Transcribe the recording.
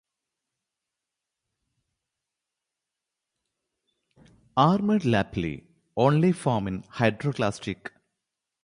He also served on the Presbyteral Council and the College of Consultors.